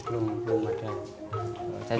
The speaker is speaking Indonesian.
masih belum ada